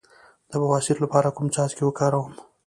د بواسیر لپاره کوم څاڅکي وکاروم؟